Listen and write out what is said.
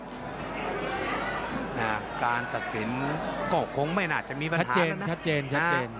ระหาการตัดสินกรกคงไม่น่าจะมีปัญหานะ